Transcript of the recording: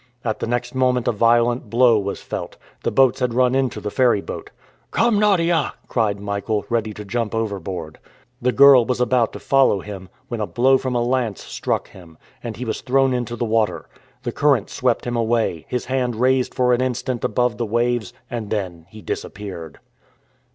At the next moment a violent blow was felt. The boats had run into the ferryboat. "Come, Nadia!" cried Michael, ready to jump overboard. The girl was about to follow him, when a blow from a lance struck him, and he was thrown into the water. The current swept him away, his hand raised for an instant above the waves, and then he disappeared.